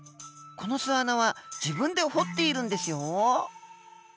この巣穴は自分で掘っているんですよ。